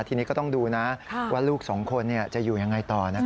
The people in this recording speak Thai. ทีนี้ก็ต้องดูนะว่าลูกสองคนจะอยู่ยังไงต่อนะครับ